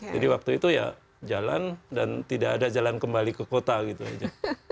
jadi waktu itu ya jalan dan tidak ada jalan kembali ke kota gitu aja